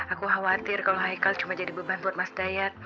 aku khawatir kalau haikal cuma jadi beban buat mas dayat